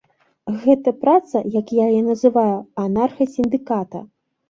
Гэта праца, як я яе называю, анарха-сіндыката.